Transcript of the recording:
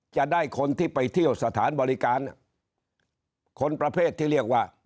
จะได้คนที่ไปเที่ยวสถานบริการคนประเภทที่เรียกว่า